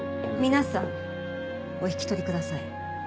皆さんお引き取りください。